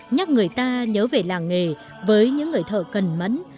nhắc người ta nhớ về làng nghề với những người thợ cần mẫn